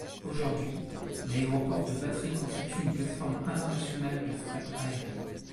Aujourd'hui, l'aéroport de Vatry constitue une plateforme internationale de fret aérien.